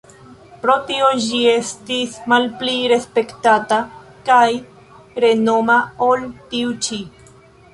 Pro tio ĝi estis malpli respektata kaj renoma ol tiu ĉi.